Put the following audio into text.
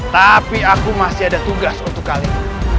tapi aku masih ada tugas untuk kalian